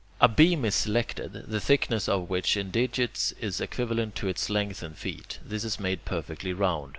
A beam is selected, the thickness of which in digits is equivalent to its length in feet. This is made perfectly round.